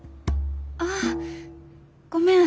あごめん。